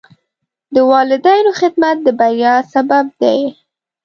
د والدینو خدمت د بریا سبب دی.